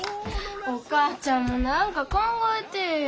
お母ちゃんも何か考えてえや。